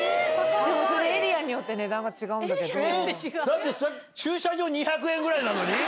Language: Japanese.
そのエリアによって値段が違だって、駐車場２００円ぐらいなのに？